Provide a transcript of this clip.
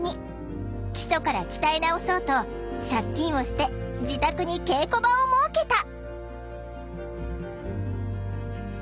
基礎から鍛え直そうと借金をして自宅に稽古場を設けた！